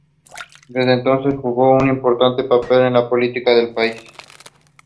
It immediately caught fire.